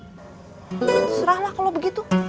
terserah lah kalau begitu